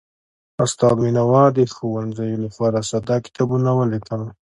استاد بینوا د ښوونځیو لپاره ساده کتابونه ولیکل.